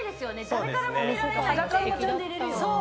誰からも見られないっていう。